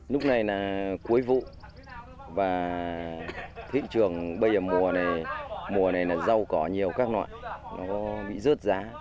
lúc này là cuối vụ và thị trường bây giờ mùa này mùa này là rau cỏ nhiều các loại nó bị rớt giá